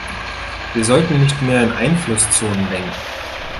Wir sollten nicht mehr in Einflusszonen denken.